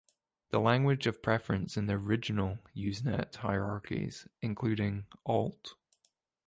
The language of preference in the "original" Usenet hierarchies, including "alt.